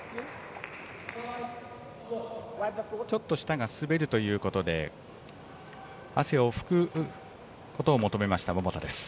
ちょっと下が滑るということで汗を拭くことを求めた桃田です。